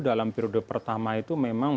dalam periode pertama itu memang